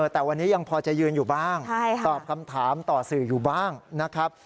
แต่วันนี้ยังพอจะยืนอยู่บ้างตอบคำถามต่อสื่ออยู่บ้างนะครับ